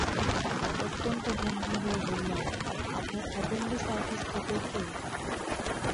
অত্যন্ত গম্ভীর হয়ে বললেন, আপনার অ্যাপেণ্ডিসাইটিস তো পেকে।